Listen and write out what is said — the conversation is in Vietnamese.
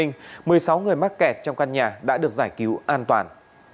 một mươi sáu người mắc kẹt trong căn nhà đã được giải cứu an toàn